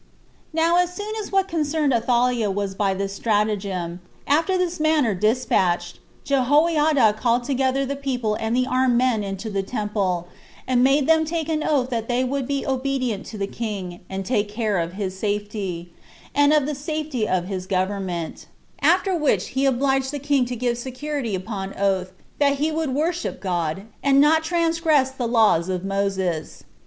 4. Now as soon as what concerned Athaliah was by this stratagem, after this manner, despatched, Jehoiada called together the people and the armed men into the temple, and made them take an oath that they would be obedient to the king, and take care of his safety, and of the safety of his government; after which he obliged the king to give security [upon oath] that he would worship God, and not transgress the laws of Moses.